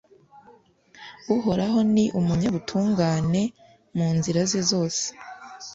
uhoraho ni umunyabutungane mu nzira ze zose